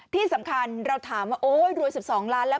ที่สำคัญเราถามว่าโอ๊ยรวย๑๒ล้านแล้ว